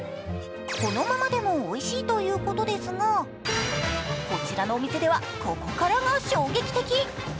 このままでもおいしいということですがこちらのお店ではここからが衝撃的。